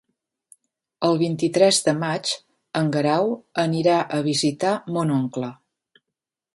El vint-i-tres de maig en Guerau anirà a visitar mon oncle.